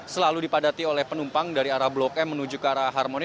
selalu dipadati oleh penumpang dari arah blok m menuju ke arah harmoni